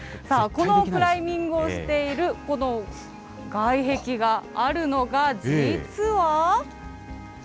このクライミングをしているこの外壁があるのが、実は。